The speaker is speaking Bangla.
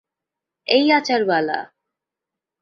এই, আচারওয়ালা।